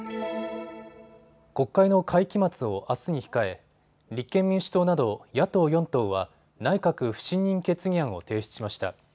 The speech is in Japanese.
国会の会期末をあすに控え立憲民主党など野党４党は内閣不信任決議案を提出しました。